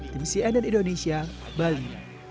dari cnn indonesia bali